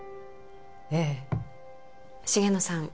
ええ重野さん